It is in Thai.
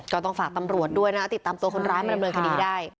ก็ต้องฝากตำรวจด้วยนะติดตามตัวคนร้ายมาดำเนินคดีได้